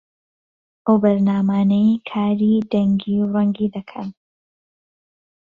ئەو بەرنامانەی کاری دەنگی و ڕەنگی دەکەن